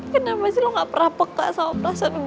kenapa sih lo nggak pernah peka sama perasaan gue